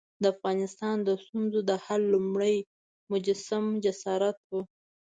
د افغانستان د ستونزو د حل لومړنی مجسم جسارت وو.